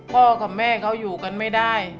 กับแม่เขาอยู่กันไม่ได้